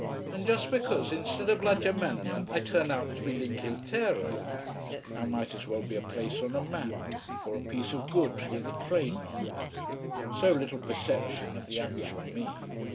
And just because, instead of la Germania I turn out to be l'Inghilterra. I might as well be a place on a map, or a piece of goods with a trade mark. So little perception of the actual me!